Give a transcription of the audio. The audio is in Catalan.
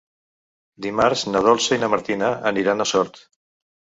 Dimarts na Dolça i na Martina aniran a Sort.